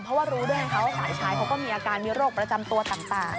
เพราะรู้เรื่องว่าเขาสายชายก็มีโรคประจำตัวต่าง